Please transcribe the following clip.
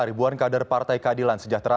ribuan kader partai keadilan sejahtera